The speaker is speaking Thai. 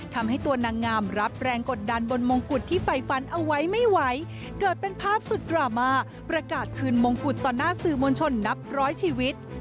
ทำให้ตัวนางงามรับแรงกดดันบนมงกุฎที่ไฟฟันเอาไว้ไม่ไหวเกิดเป็นภาพสุดดราม่าประกาศคืนมงกุฎต่อหน้าสื่อมวลชนนับร้อยชีวิต